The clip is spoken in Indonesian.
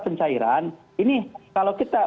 pencairan ini kalau kita